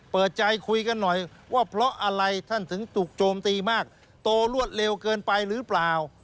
เปิดใจคุยกันหน่อยว่าเพราะอะไรท่านถึงถูกโจมตีมากโตรวดเร็วเกินไปหรือเปล่า